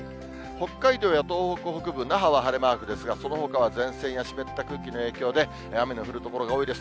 北海道や東北北部、那覇は晴れマークですが、そのほかは前線や湿った空気の影響で、雨の降る所が多いです。